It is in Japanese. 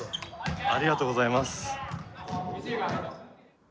ありがとうございます。